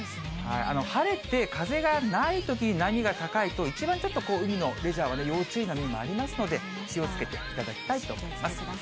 晴れて風がないときに波が高いと、一番ちょっと海のレジャーは要注意になりますので、気をつけていただきたいと思います。